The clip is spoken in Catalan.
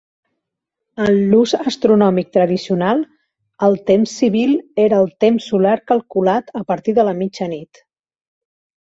En l'ús astronòmic tradicional, el temps civil era el temps solar calculat a partir de la mitjanit.